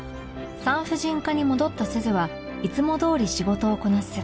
産婦人科に戻った鈴はいつもどおり仕事をこなす